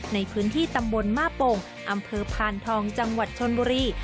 ในพื้นที่ตำบลมาโป่งอำเภอพานทองจังหวัดชนบุรี